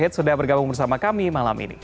terima kasih sudah bergabung bersama kami malam ini